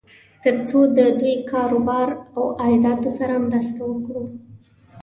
تر څو د دوی کار و بار او عایداتو سره مرسته وکړو.